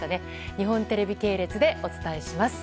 日本テレビ系列でお伝えします。